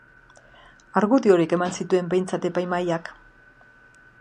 Argudio horiek eman zituen behintzat epaimahaiak.